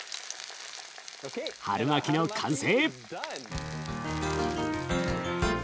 春巻きの完成！